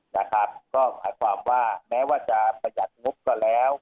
นะครับก็หมายความว่าแม้ว่าจะประหยัดงบก็แล้ว